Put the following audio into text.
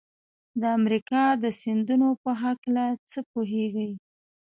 د امریکا د سیندونو په هلکه څه پوهیږئ؟